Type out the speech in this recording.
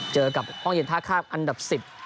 เจอกับห้องเย็นท่าข้ามอันดับ๑๐